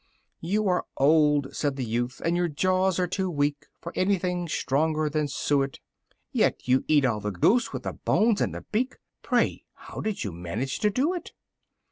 5. "You are old," said the youth, "and your jaws are too weak For anything tougher than suet: Yet you eat all the goose, with the bones and the beak Pray, how did you manage to do it?"